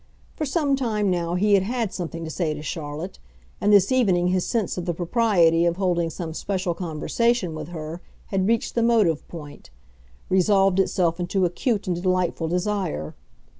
For some time, now, he had had something to say to Charlotte, and this evening his sense of the propriety of holding some special conversation with her had reached the motive point—resolved itself into acute and delightful desire.